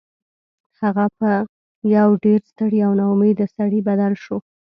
هغه په یو ډیر ستړي او ناامیده سړي بدل شو